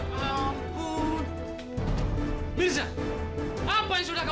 yuk mulai meetingnya ya